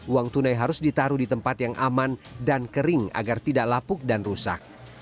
uang tunai harus ditaruh di tempat yang aman dan kering agar tidak lapuk dan rusak